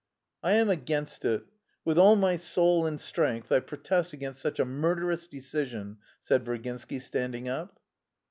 "I am against it; with all my soul and strength I protest against such a murderous decision," said Virginsky, standing up.